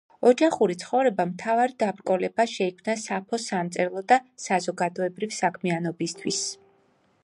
ოჯახური ცხოვრება მთავარი დაბრკოლება შეიქნა საფოს სამწერლო და საზოგადოებრივი საქმიანობისათვის.